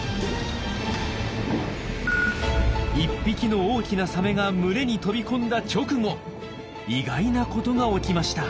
１匹の大きなサメが群れに飛び込んだ直後意外なことが起きました。